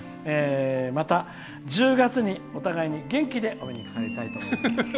また、１０月にお互いに元気でお目にかかりたいと思います。